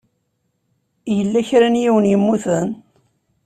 Yella kra n yiwen i yemmuten?